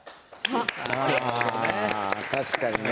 確かにね。